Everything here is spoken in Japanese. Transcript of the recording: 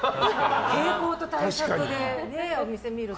傾向と対策でお店を見るって。